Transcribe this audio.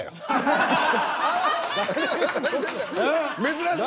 珍しい！